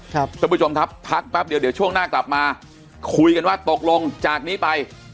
ท่านผู้ชมครับพักแป๊บเดียวเดี๋ยวช่วงหน้ากลับมาคุยกันว่าตกลงจากนี้ไป